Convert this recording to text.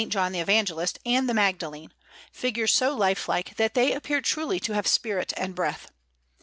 John the Evangelist, and the Magdalene, figures so lifelike, that they appear truly to have spirit and breath.